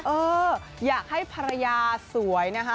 เอออยากให้ภรรยาสวยนะคะ